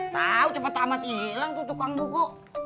tau cepet amat hilang tuh tukang buku